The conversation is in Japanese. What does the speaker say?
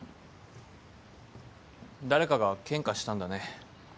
誰かが献花したんだね。